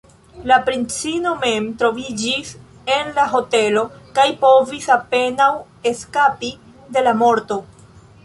La princino mem troviĝis en la hotelo kaj povis apenaŭ eskapi de la morto.